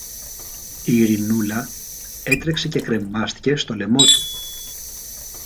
η Ειρηνούλα έτρεξε και κρεμάστηκε στο λαιμό του